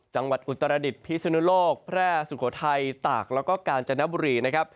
อุตรดิษฐพิสุนุโลกแพร่สุโขทัยตากแล้วก็กาญจนบุรีนะครับ